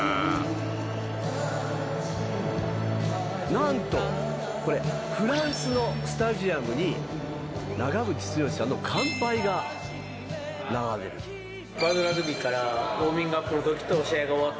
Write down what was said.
なんとこれ、フランスのスタジアムに長渕剛さんの『乾杯』が流れていたんです。